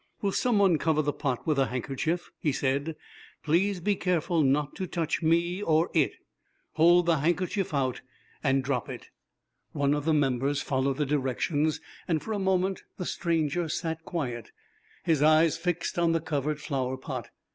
"Will some one cover the pot with a handkerchief?" he said. "Please be careful not to touch me or it. Hold the handkerchief out, and drop it." One of the members followed the directions, and for a moment the stranger sat quiet, his eyes fixed on the covered flower pot.